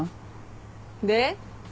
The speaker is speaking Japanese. で？